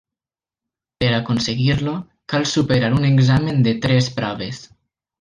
Per aconseguir-lo cal superar un examen de tres proves.